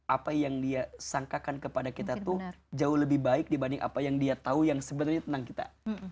apa yang dia sangkakan kepada kita tuh jauh lebih baik dibanding apa yang dia tahu yang sebenarnya tentang kita